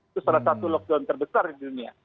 itu salah satu lockdown terbesar di dunia